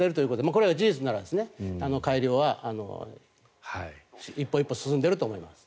これが事実なら改良は一歩一歩進んでいると思います。